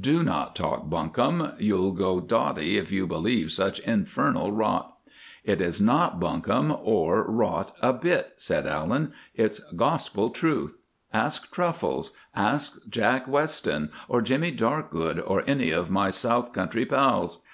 "Do not talk bunkum. You'll go dotty if you believe such infernal rot." "It is not bunkum or rot a bit," said Allan, "It's gospel truth. Ask Truffles, ask Jack Weston, or Jimmy Darkgood, or any of my south country pals."